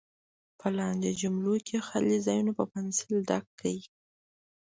په لاندې جملو کې خالي ځایونه په پنسل ډک کړئ.